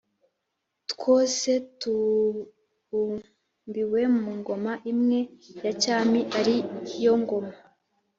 twose tubumbiwe ku ngoma imwe ya cyami ari yo ngoma